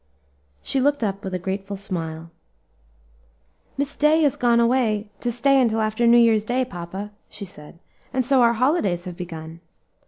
She looked up with a grateful smile. "Miss Day has gone away to stay until after New Year's day, papa," she said, "and so our holidays have begun."